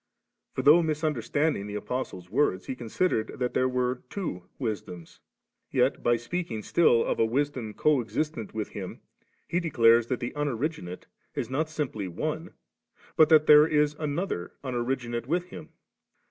For though, mis understanding die Apostle's words, he con sidered that there were two wisdoms ; yet, by speaking still of a wisdom coexistent with Him, he declares that the Unoriginate is not simply one, but that there is another Unoriginate with Him.